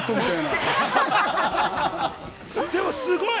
でもすごい！